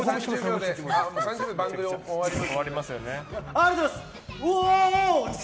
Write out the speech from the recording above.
ありがとうございます！